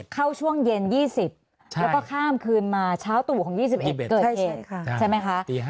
ช่วงเย็น๒๐แล้วก็ข้ามคืนมาเช้าตู่ของ๒๑เกิดเหตุใช่ไหมคะ